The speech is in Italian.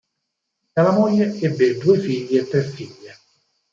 Dalla moglie ebbe due figli e tre figlie.